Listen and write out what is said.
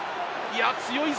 強いぞ！